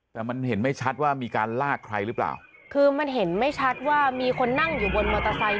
แต่มันเห็นไม่ชัดว่ามีการลากใครหรือเปล่าคือมันเห็นไม่ชัดว่ามีคนนั่งอยู่บนมอเตอร์ไซค์